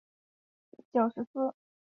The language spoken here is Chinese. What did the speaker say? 九十四学年度